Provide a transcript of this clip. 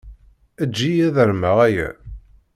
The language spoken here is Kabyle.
Eǧǧ-iyi ad armeɣ aya.